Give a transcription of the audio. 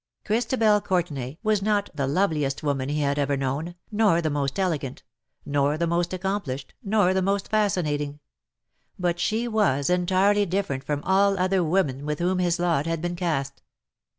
Christabel Courtenay was not the loveliest woman he had ever known, nor the most elegant, nor the most accomplished, nor the most fascinating ; but she was entirely different from all other women with whom his lot had been cast.